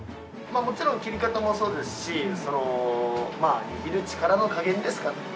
もちろん切り方もそうですしまあ握る力の加減ですかね。